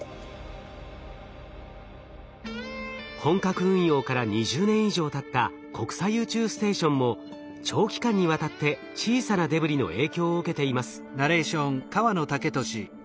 本格運用から２０年以上たった国際宇宙ステーションも長期間にわたって小さなデブリの影響を受けています。